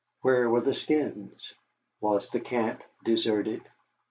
Where were the skins? Was the camp deserted?